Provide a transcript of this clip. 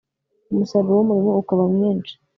umusaruro w'umurimo ukaba mwinshi